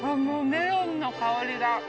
もうメロンの香りが。